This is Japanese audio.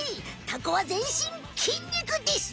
タコは全身筋肉です！